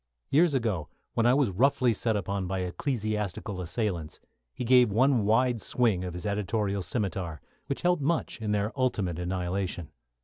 Years ago, when I was roughly set upon by ecclesiastical assailants, he gave one wide swing of his editorial scimitar, which helped much in their ultimate annihilation.